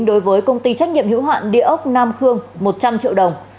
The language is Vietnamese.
đối với công ty trách nhiệm hữu hạn địa ốc nam khương một trăm linh triệu đồng